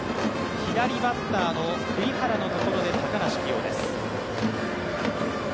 左バッターの栗原のところで高梨起用です。